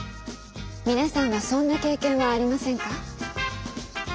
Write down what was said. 皆さんはそんな経験はありませんか？